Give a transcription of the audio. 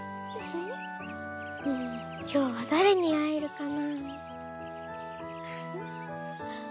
うんきょうはだれにあえるかな」。